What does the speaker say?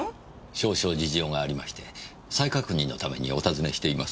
少々事情がありまして再確認のためにお尋ねしています。